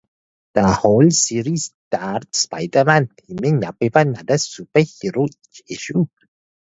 The whole series starred Spider-Man teaming up with another superhero each issue.